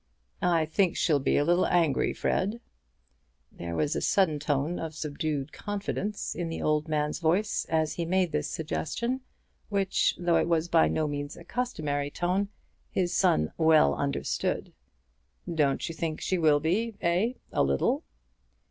"I think she'll be a little angry, Fred." There was a sudden tone of subdued confidence in the old man's voice as he made this suggestion, which, though it was by no means a customary tone, his son well understood. "Don't you think she will be; eh, a little?"